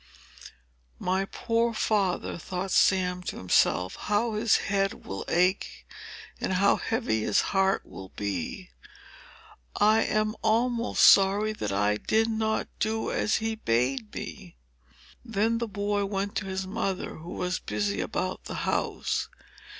"My poor father!" thought Sam to himself. "How his head will ache, and how heavy his heart will be! I am almost sorry that I did not do as he bade me!" Then the boy went to his mother, who was busy about the house.